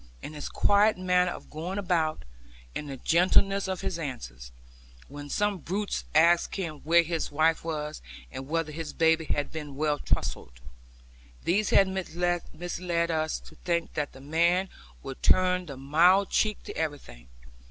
And his quiet manner of going about, and the gentleness of his answers (when some brutes asked him where his wife was, and whether his baby had been well trussed), these had misled us to think that the man would turn the mild cheek to everything.